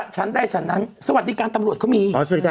ฉันได้ฉันนั้นสวัสดิการตำรวจก็มี